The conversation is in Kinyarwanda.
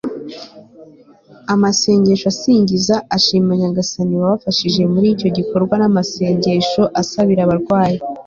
amasengesho asingiza, ashima nyagasani wabafashije muri icyo gikorwa n'amasengesho asabira abarwayi